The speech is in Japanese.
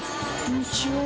こんにちは。